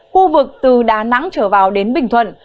khu vực từ đà nẵng trở vào đến bình thuận